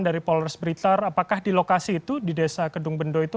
di polres britar apakah di lokasi itu di desa kedung bendoh itu